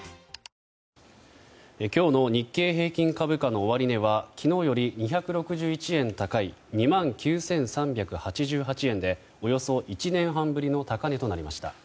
今日の日経平均株価の終値は昨日より２６１円高い２万９３８８円でおよそ１年半ぶりの高値となりました。